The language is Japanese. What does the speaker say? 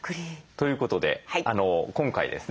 ということで今回ですね